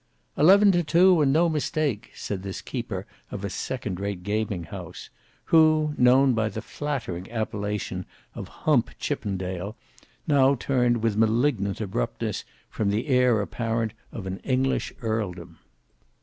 "Eleven to two, and no mistake," said this keeper of a second rate gaming house, who, known by the flattering appellation of Hump Chippendale, now turned with malignant abruptness from the heir apparent of an English earldom.